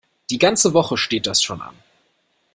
Die ganze Woche steht das schon an.